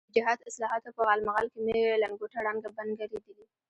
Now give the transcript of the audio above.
د جهاد اصطلاحاتو په غالمغال کې مې لنګوټه ړنګه بنګه لیدلې.